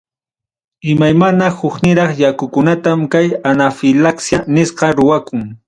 Imaymana, hukniraq yakukunatam kay anafilaxia siqam ruwakun.